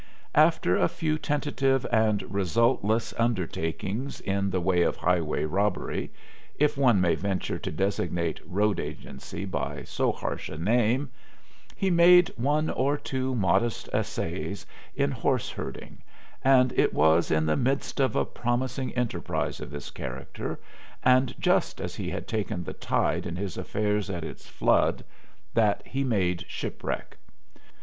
After a few tentative and resultless undertakings in the way of highway robbery if one may venture to designate road agency by so harsh a name he made one or two modest essays in horse herding, and it was in the midst of a promising enterprise of this character, and just as he had taken the tide in his affairs at its flood, that he made shipwreck.